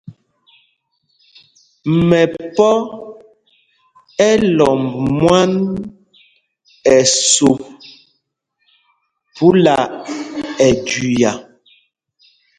Mɛpɔ̄ ɛ́ lɔmb mwán ɛsûp phúla ɛjüia.